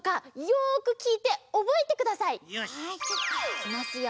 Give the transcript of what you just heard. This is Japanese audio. いきますよ！